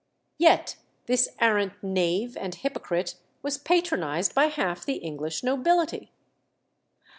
Yet this arrant knave and hypocrite was patronised by half the English nobility.